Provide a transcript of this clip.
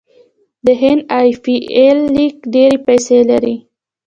د هند ای پي ایل لیګ ډیرې پیسې لري.